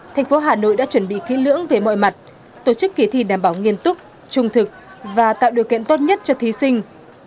thành phố hà nội đã chuẩn bị kỹ lưỡng về mọi mặt tổ chức kỳ thi đảm bảo nghiêm túc trung thực và tạo điều kiện tốt nhất cho thí sinh